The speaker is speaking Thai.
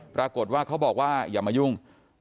ปรากฏว่าเขาบอกว่าอย่ามายุ่ง